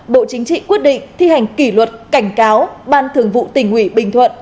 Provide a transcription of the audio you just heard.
bộ chính trị quyết định thi hành kỷ luật cảnh cáo ban thường vụ tỉnh ủy bình thuận